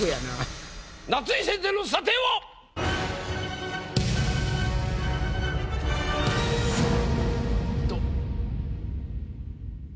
夏井先生の査定は⁉どう？